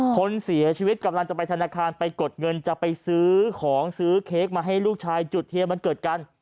คนเสียชีวิตกำลังจะไปธนาคารไปกดเงินจะไปซื้อของซื้อเค้กมาให้ลูกชายจุดเทียนวันเกิดกัน